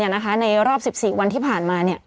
ในรอบ๑๔วันที่ผ่านมา